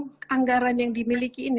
tapi sebenarnya uang anggaran yang dimiliki ini